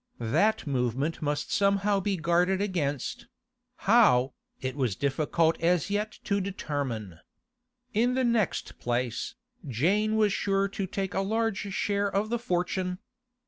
That movement must somehow be guarded against; how, it was difficult as yet to determine. In the next place, Jane was sure to take a large share of the fortune.